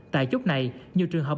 tại chốt này nhiều trường hợp